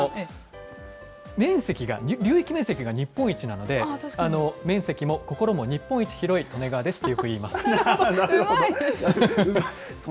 面積が、流域面積が日本一なので、面積も心も日本一広い利根川ですってよ